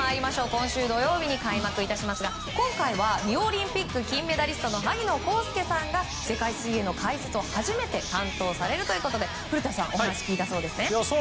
今週土曜日に開幕いたしますが今回はリオオリンピック金メダリストの萩野公介さんが世界水泳の解説を初めて担当されるということで古田さんお話を聞いたそうですね。